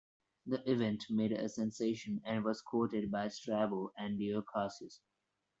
The event made a sensation and was quoted by Strabo and Dio Cassius.